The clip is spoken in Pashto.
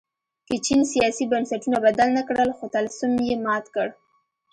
که چین سیاسي بنسټونه بدل نه کړل خو طلسم یې مات کړ.